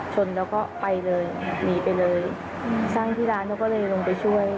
ชนแล้วก็ไปเลยหนีไปเลยช่างที่ร้านเขาก็เลยลงไปช่วย